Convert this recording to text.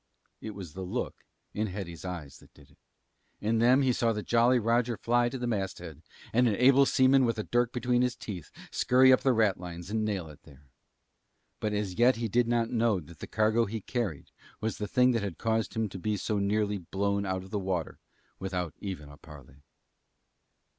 It was the look in Hetty's eyes that did it. In them he saw the Jolly Roger fly to the masthead and an able seaman with a dirk between his teeth scurry up the ratlines and nail it there. But as yet he did not know that the cargo he carried was the thing that had caused him to be so nearly blown out of the water without even a parley.